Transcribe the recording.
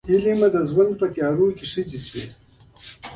هیلې مې د ژوند په تیارو کې ښخې شوې.